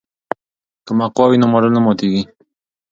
که مقوا وي نو ماډل نه ماتیږي.